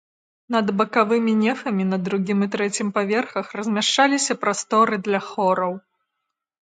Над бакавымі нефамі на другім і трэцім паверхах размяшчаліся прасторы для хораў.